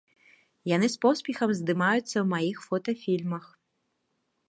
Яны з поспехам здымаюцца ў маіх фота-фільмах.